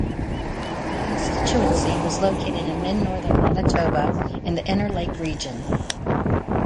The constituency was located in mid-northern Manitoba, in the Interlake region.